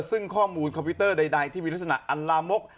ซึ่งข้อมูลคอมพิวเตอร์ใดที่มีลักษณะอัลลามก